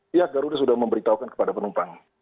pihak garuda sudah memberitahukan kepada penumpang